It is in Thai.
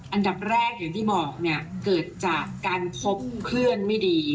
อันดับแรกอย่างที่บอกเนี่ยเกิดจากการพบเคลื่อนไม่ดี